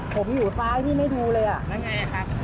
ผมอยู่ซ้ายพี่ไม่ดูเลยอ่ะ